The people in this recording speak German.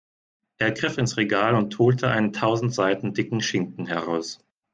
Er griff ins Regal und holte einen tausend Seiten dicken Schinken heraus.